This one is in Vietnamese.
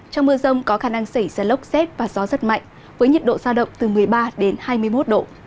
trong mưa rông có khả năng xảy ra lốc rét và gió rất mạnh với nhiệt độ sao động từ một mươi ba hai mươi một độ